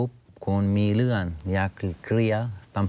มีใครต้องจ่ายค่าคุมครองกันทุกเดือนไหม